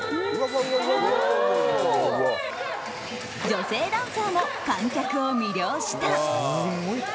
女性ダンサーも観客を魅了した。